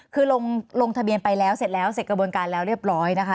คือลงทะเบียนไปแล้วเสร็จแล้วเสร็จกระบวนการแล้วเรียบร้อยนะคะ